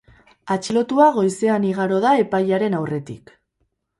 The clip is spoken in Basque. Atxilotua goizean igaro da epailearen aurretik.